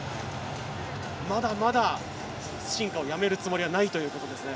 まだまだ進化をやめるつもりはないということですね。